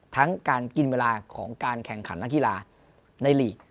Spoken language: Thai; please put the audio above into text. ทั้งการกินเวลาของการแข่งขันนักกีฬาในลีก